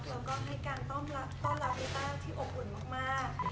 แล้วก็ให้การต้อนรับกีต้าที่อบอุ่นมาก